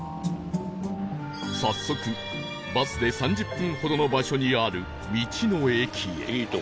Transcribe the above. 早速バスで３０分ほどの場所にある道の駅へ